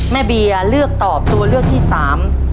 เบียร์เลือกตอบตัวเลือกที่สาม